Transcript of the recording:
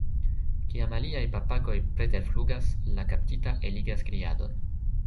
Kiam aliaj papagoj preterflugas, la kaptita eligas kriadon.